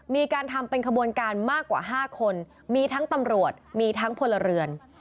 มีการทำเป็นขบวนการมากกว่า๕คนมีทั้งตำรวจมีทั้งพลเรือน